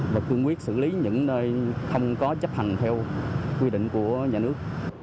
và cương quyết xử lý những nơi không có chấp hành theo quy định của nhà nước